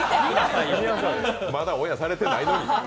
まだオンエアされてないのに。